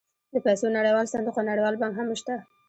د پیسو نړیوال صندوق او نړیوال بانک هم شته